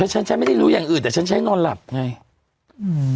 ฉันฉันไม่ได้รู้อย่างอื่นแต่ฉันใช้นอนหลับไงอืม